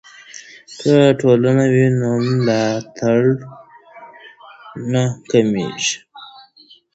که ټولنه وي نو ملاتړ نه کمیږي.